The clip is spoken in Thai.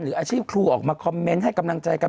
อาชีพครูออกมาคอมเมนต์ให้กำลังใจกัน